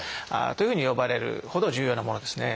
というふうに呼ばれるほど重要なものですね。